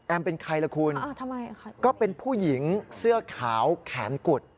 เป็นใครล่ะคุณก็เป็นผู้หญิงเสื้อขาวแขนกุด